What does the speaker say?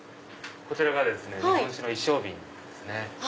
こちらが日本酒の一升瓶ですね。